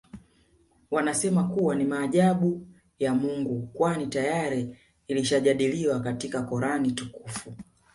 Wanasema kuwa ni maajabu ya Mungu kwani tayari lilishajadiliwa katika Quran Tukufu